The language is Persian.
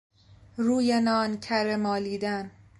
روی نان کره مالیدن